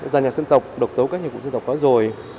giàn nhạc dân tộc độc tấu các nhạc cụ dân tộc có rồi